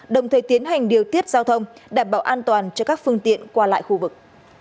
đồng thời tiến hành điều tiết giao thông đảm bảo an toàn cho các phương tiện qua lại khu vực